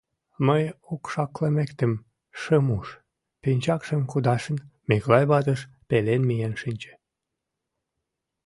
— Мый окшаклыметым шым уж, — пинчакшым кудашын, Миклай ватыж пелен миен шинче.